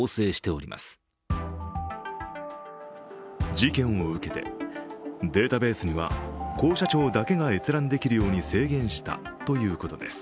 事件を受けてデータベースには校舎長だけが閲覧できるように制限したということです。